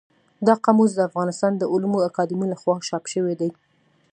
دا قاموس د افغانستان د علومو اکاډمۍ له خوا چاپ شوی دی.